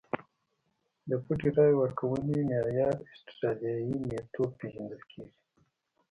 د پټې رایې ورکونې معیار اسټرالیايي میتود پېژندل کېږي.